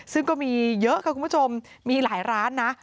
ซึ่งก็มีเยอะค่ะคุณผู้ชมมีหลายร้านนะ